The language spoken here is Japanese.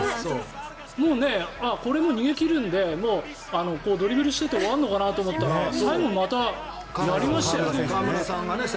もうこれは逃げ切るのでドリブルしていて終わるのかなと思ったら最後またやりましたよね。